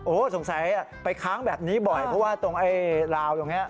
โอ้โหสงสัยไปค้างแบบนี้บ่อยเพราะว่าตรงไอ้ราวตรงนี้